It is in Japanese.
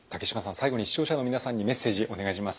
最後に視聴者の皆さんにメッセージお願いします。